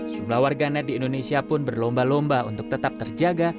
jumlah warganet di indonesia pun berlomba lomba untuk tetap terjaga